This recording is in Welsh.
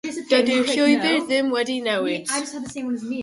Dydy'r llwybr ddim wedi newid.